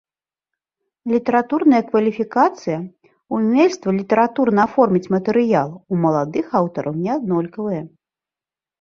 Літаратурная кваліфікацыя, умельства літаратурна аформіць матэрыял у маладых аўтараў неаднолькавае.